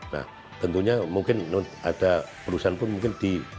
nah tentunya mungkin ada perusahaan pun diperlukan